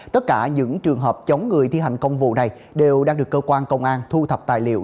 tất cả những trường hợp chống người thi hành công vụ này đều đang được cơ quan công an thu thập tài liệu